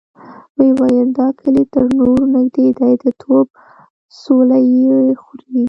ويې ويل: دا کلي تر نورو نږدې دی، د توپ څولۍ يې خوري.